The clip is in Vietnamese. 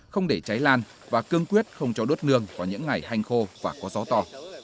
không để cháy lan và cương quyết không cho đốt nương vào những ngày hanh khô và có gió to